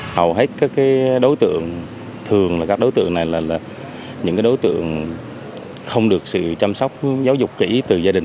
hầu hết các đối tượng thường là các đối tượng này là những đối tượng không được sự chăm sóc giáo dục kỹ từ gia đình